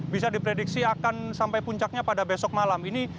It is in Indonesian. bisa diprediksi akan sampai puncaknya pada besok malam